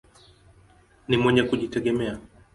Ni mwenye kujitegemea.